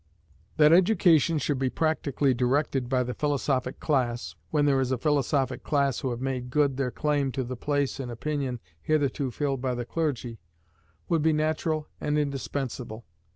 That education should be practically directed by the philosophic class, when there is a philosophic class who have made good their claim to the place in opinion hitherto filled by the clergy, would be natural and indispensable.